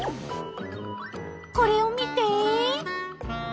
これを見て！